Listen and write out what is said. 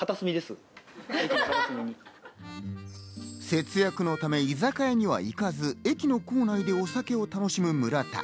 節約のため居酒屋には行かず、駅の構内でお酒を楽しむ村田。